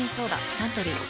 サントリー「翠」